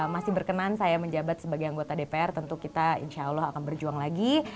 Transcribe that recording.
masih berkenan saya menjabat sebagai anggota dpr tentu kita insya allah akan berjuang lagi